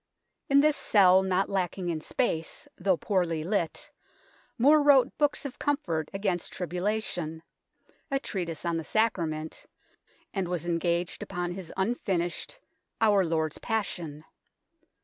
In this cell, not lacking in space, though poorly lit, More wrote books of comfort against tribula tion, a treatise on the Sacrament, and was engaged upon his unfinished " Our Lord's Passion."